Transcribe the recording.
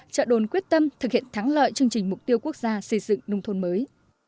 chợ đồn quyết tâm thực hiện thắng lợi chương trình mục tiêu quốc gia xây dựng nông thôn mới